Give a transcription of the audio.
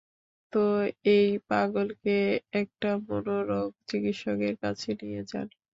তো, এই পাগলকে একটা মনোরোগ চিকিৎসকের কাছে নিয়ে যান।